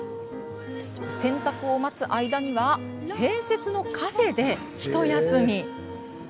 洗濯を待つ間には併設のカフェで、ひと休み。